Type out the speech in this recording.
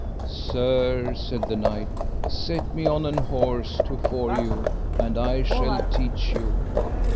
Sir, said the knight, set me on an horse to fore you, and I shall teach you.